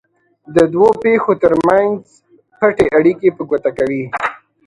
د دوو پېښو ترمنځ پټې اړیکې په ګوته کوي.